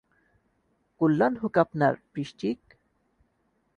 কল্যাণ হোক আপনার, বৃশ্চিক।